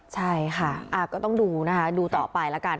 ใช่ค่ะก็ต้องดูนะคะดูต่อไปแล้วกัน